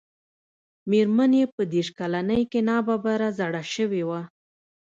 مېرمن يې په دېرش کلنۍ کې ناببره زړه شوې وه.